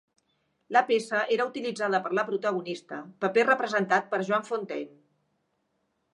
La peça era utilitzada per la protagonista, paper representat per Joan Fontaine.